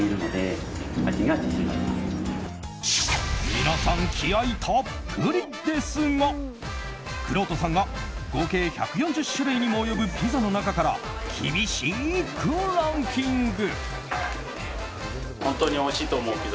皆さん、気合たっぷりですがくろうとさんが合計１４０種類にも及ぶピザの中から厳しくランキング。